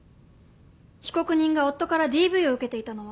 被告人が夫からＤＶを受けていたのは？